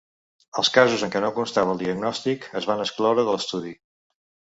Els casos en què no constava el diagnòstic es van excloure de l’estudi.